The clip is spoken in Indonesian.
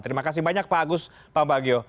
terima kasih banyak pak agus pambagio